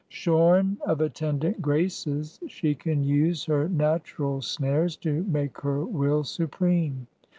Shorn of attendant Graces she can use Her natural snares to make her will supreme.